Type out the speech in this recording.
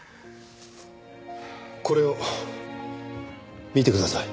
これを見てください。